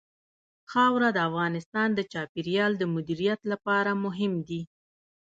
خاوره د افغانستان د چاپیریال د مدیریت لپاره مهم دي.